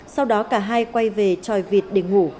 sau đó cả hai quay về tròi vịt để ngủ